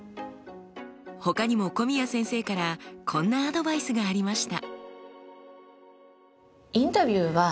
ほかにも古宮先生からこんなアドバイスがありました。